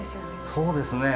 そうですね。